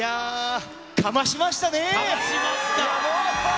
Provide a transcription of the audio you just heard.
かましましたね。